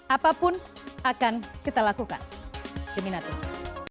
apapun akan kita lakukan demi natuna